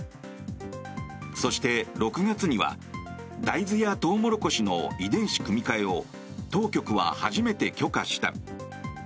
そして６月には大豆やトウモロコシの遺伝子組み換えを当局は初めて許可した。